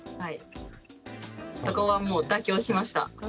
そこはもう妥協しました。